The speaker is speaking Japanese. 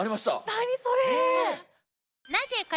何それ！